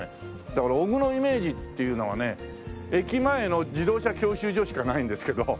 だから尾久のイメージっていうのはね駅前の自動車教習所しかないんですけど。